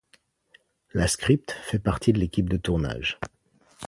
La scripte fait partie de l'équipe de tournage.